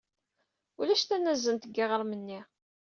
Ulac tanazent deg yiɣrem-nni.